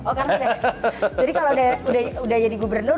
jadi kalau udah jadi gubernur